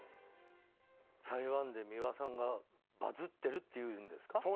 台湾で美輪さんがバズってるっていうんですか。